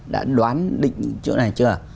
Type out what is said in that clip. đã đoán định chỗ này chưa